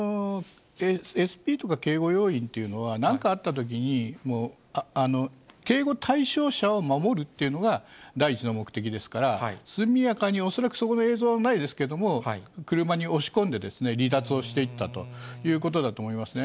ＳＰとか警護要員というのは、なんかあったときに、警護対象者を守るというのが第一の目的ですから、速やかに、恐らく、そこの映像はないですけれども、車に押し込んで、離脱をしていったということだと思いますね。